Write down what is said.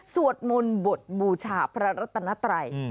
สวดมนต์บทบูชาพระรัตนไตร